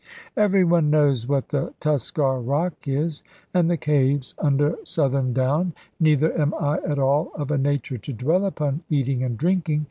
Every one knows what the Tuskar Rock is, and the caves under Southern Down; neither am I at all of a nature to dwell upon eating and drinking.